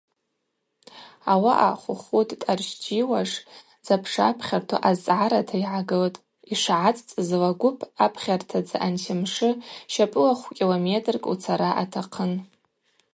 Ауаъа Хухутӏ дъарщтиуаш запшапхьарту азцӏгӏарата йгӏагылтӏ: йшгӏацӏцӏызла Гвып апхьартадза ансимшы щапӏыла хвкилометркӏ уцара атахъын.